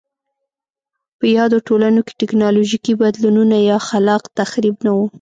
په یادو ټولنو کې ټکنالوژیکي بدلونونه یا خلاق تخریب نه و